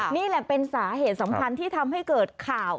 นี่แหละเป็นสาเหตุสำคัญที่ทำให้เกิดข่าว